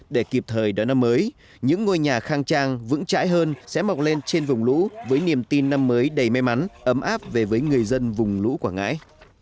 để kịp thời đón năm mới những ngôi nhà khang trang vững trãi hơn sẽ mọc lên trên vùng lũ với niềm tin năm mới đầy may mắn ấm áp về với người dân vùng lũ quảng ngãi